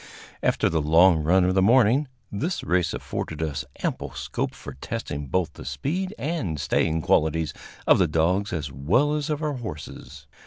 After the long run of the morning, this race afforded us ample scope for testing both the speed and staying qualities of the dogs as well as of our horses.